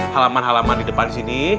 halaman halaman di depan sini